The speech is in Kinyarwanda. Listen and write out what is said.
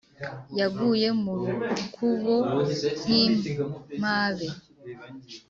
yaguye mu rukubo nk’impabe,